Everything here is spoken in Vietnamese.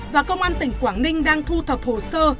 và công an tỉnh quảng ninh đang thu thập hồ sơ